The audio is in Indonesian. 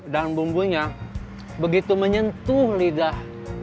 dan bumbunya begitu menyentuh lidah